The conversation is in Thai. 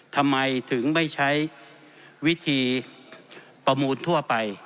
ทำไมถึงไม่ใช้วิธีประมูลทั่วไป